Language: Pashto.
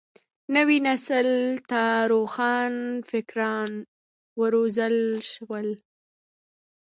نوي نسل ته روښان فکران وروزل شول.